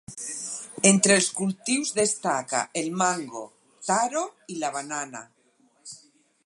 Entre els cultius, destaca el mango, taro i la banana.